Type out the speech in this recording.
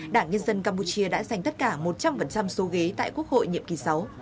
đảng nhân dân campuchia đã giành tất cả một trăm linh số ghế tại quốc hội nhiệm kỳ sáu